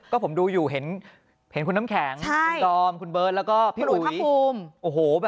ก็ผมดูอยู่เห็นคุณน้ำแข็งคุณดอมคุณเบิร์ตแล้วก็พี่อุ๋ยโอ้โห